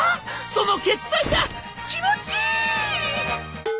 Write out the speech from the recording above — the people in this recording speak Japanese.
その決断が気持ちいい！」。